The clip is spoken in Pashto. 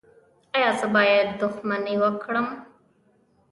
ایا زه باید دښمني وکړم؟